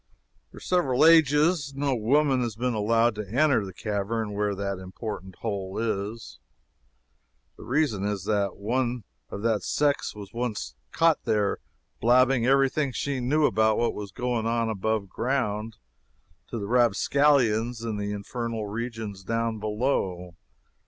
For several ages no woman has been allowed to enter the cavern where that important hole is. The reason is that one of the sex was once caught there blabbing every thing she knew about what was going on above ground, to the rapscallions in the infernal regions down below.